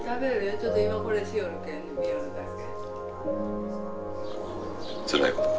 ちょっと今これしよるけん見よるだけ。